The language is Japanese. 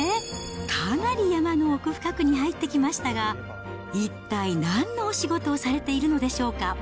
かなり山の奥深くに入ってきましたが、一体なんのお仕事をされているのでしょうか。